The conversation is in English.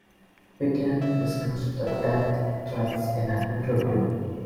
Wigand discussed the death threats in an interview.